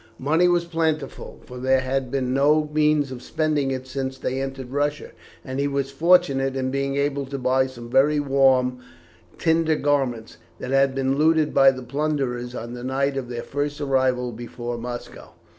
Money was plentiful, for there had been no means of spending it since they entered Russia, and he was fortunate in being able to buy some very warm tinder garments that had been looted by the plunderers on the night of their first arrival before Moscow.